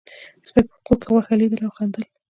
سپي په خوب کې غوښه لیدله او خندل.